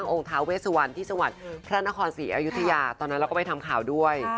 ท้าเวสวันที่จังหวัดพระนครศรีอยุธยาตอนนั้นเราก็ไปทำข่าวด้วย